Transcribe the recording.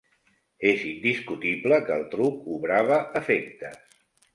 Es indiscutible que el truc obrava efectes